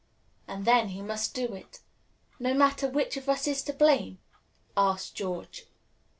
and then he must do it. "No matter which of us is most to blame?" asked George.